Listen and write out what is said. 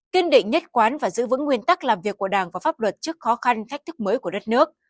kiên định nhất quán và giữ vững nguyên tắc làm việc của đảng và pháp luật trước khó khăn thách thức mới của đất nước